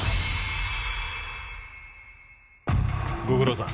ご苦労さん。